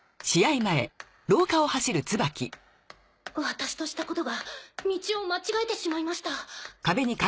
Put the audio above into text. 私としたことが道を間違えてしまいました。